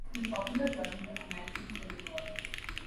It was popular during the American Civil War.